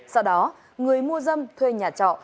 sau đó người mua dâm thuê nhà trọ